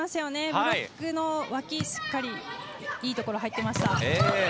ブロックの脇、しっかりいいところ入っていました。